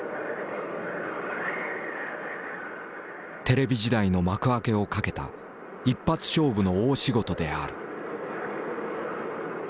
テレビ時代の幕開けをかけた一発勝負の大仕事である。